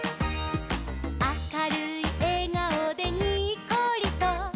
「あかるいえがおでにっこりと」